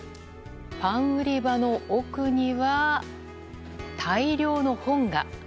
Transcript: パン売り場の奥には、大量の本が。